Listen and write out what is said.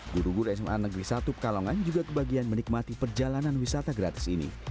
guru guru sma negeri satu pekalongan juga kebagian menikmati perjalanan wisata gratis ini